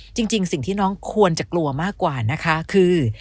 จริงสิ่งที่น้องควรจะกลัวมากกว่านะคะคือ